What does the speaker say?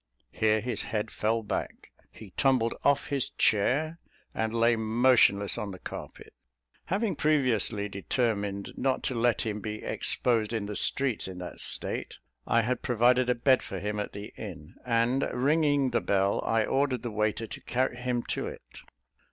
Here his head fell back, he tumbled off his chair, and lay motionless on the carpet. Having previously determined not to let him be exposed in the streets in that state, I had provided a bed for him at the inn; and, ringing the bell, I ordered the waiter to carry him to it.